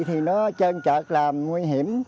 thì nó trơn trợt làm nguy hiểm